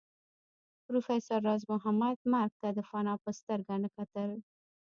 پروفېسر راز محمد مرګ ته د فناء په سترګه نه کتل